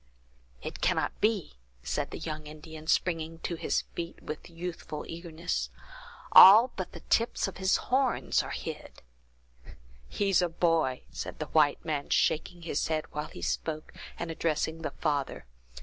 "It cannot be!" said the young Indian, springing to his feet with youthful eagerness; "all but the tips of his horns are hid!" "He's a boy!" said the white man, shaking his head while he spoke, and addressing the father.